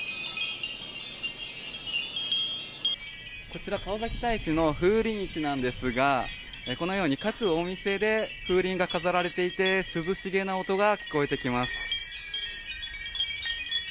こちら川崎大師の風鈴市なんですがこのように各お店で風鈴が飾られていて涼しげな音が聞こえてきます。